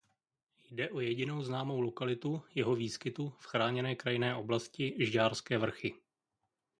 Jde o jedinou známou lokalitu jeho výskytu v Chráněné krajinné oblasti Žďárské vrchy.